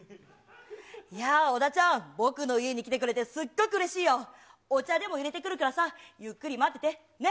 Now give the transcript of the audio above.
いや、小田ちゃん、僕の家に来てくれて、すっごくうれしいよ。お茶でもいれてくるからさ、ゆっくり待ってて、ね。